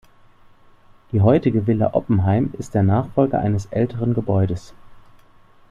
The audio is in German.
Die heutige Villa Oppenheim ist der Nachfolger eines älteren Gebäudes.